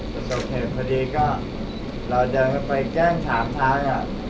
ประสบเหตุพอดีก็เราเดินเข้าไปแกล้งถามทาง